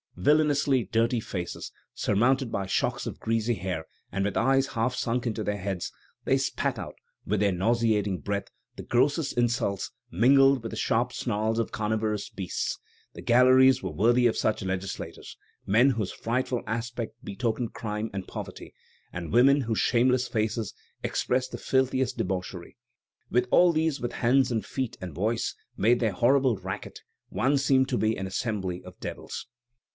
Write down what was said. Villainously dirty faces, surmounted by shocks of greasy hair, and with eyes half sunk into their heads, they spat out, with their nauseating breath, the grossest insults mingled with the sharp snarls of carnivorous beasts. The galleries were worthy of such legislators: men whose frightful aspect betokened crime and poverty, and women whose shameless faces expressed the filthiest debauchery. When all these with hands and feet and voice made their horrible racket, one seemed to be in an assembly of devils."